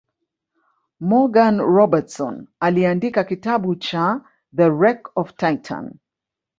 Morgan Robertson aliandika kitabu cha The Wreck Of Titan